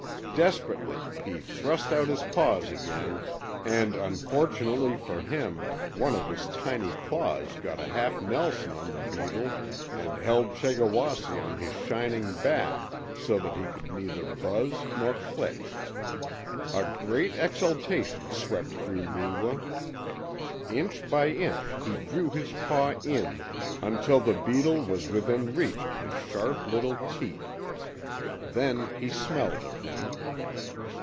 Desperately he thrust out his paw again, and unfortunately for him one of his tiny claws got a half Nelson on the beetle and held Chegawasse on his shining back so that he could neither buzz not click. A great exultation swept through Neewa. Inch by inch he drew his paw in until the beetle was within reach of his sharp little teeth. Then he smelled of him.